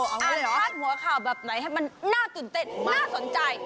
พาดหัวข่าวแบบไหนให้มันน่าตื่นเต้นน่าสนใจ